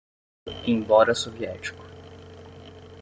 embora soviético